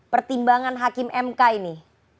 pertimbangan hakim mk ini